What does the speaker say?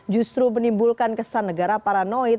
justru menimbulkan kesan negara paranoid